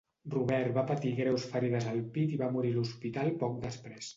Robert va patir greus ferides al pit i va morir a l'hospital poc després.